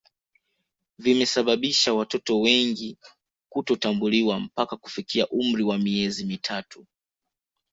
vimesababisha watoto wengi kutotambuliwa mpaka kufikia umri wa miezi mitatu